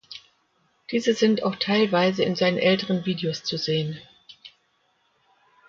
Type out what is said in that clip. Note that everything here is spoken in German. Diese sind auch teilweise in seinen älteren Videos zu sehen.